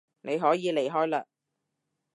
你可以離開嘞